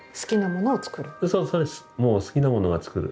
もう好きなものは作る。